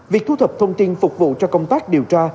việc thu thập thông tin phục vụ cho công tác điều tra